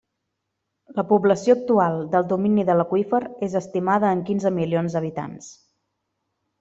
La població actual del domini de l'aqüífer és estimada en quinze milions d'habitants.